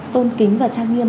tôn kính và trang nghiêm